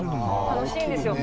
楽しいんですよ。